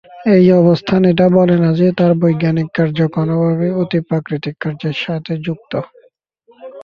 এই অবস্থান এটা বলে না যে তার বৈজ্ঞানিক কার্য কোনভাবে অতিপ্রাকৃতিক কার্যের সাথে যুক্ত।